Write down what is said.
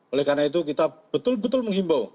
oleh karena itu kita betul betul menghimbau